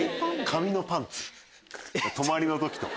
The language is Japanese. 紙のパンツ泊まりの時とか。